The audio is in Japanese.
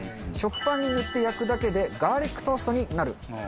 食パンに塗って焼くだけでガーリックトーストになる。